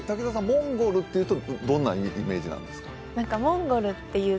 モンゴルっていうとどんなイメージなんですか？